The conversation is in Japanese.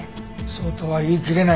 そうとは言いきれない。